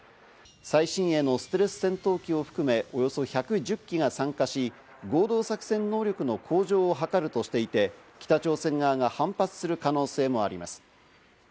最新鋭のステルス戦闘機を含め、およそ１１０機が参加し、合同作戦能力の向上を図るとしていて、北朝鮮側が反発する可能性もあります。